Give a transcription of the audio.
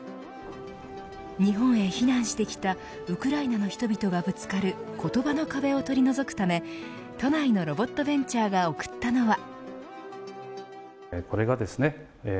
日本へ避難してきたウクライナの人々がぶつかる言葉の壁を取り除くため都内のロボットベンチャーが贈ったのは。